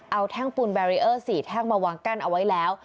เอาแท่งปูนแบรีเออร์๔แท่งมาวางกั้นเอาไว้แล้ว